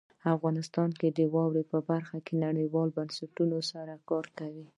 افغانستان د واوره په برخه کې نړیوالو بنسټونو سره کار کوي.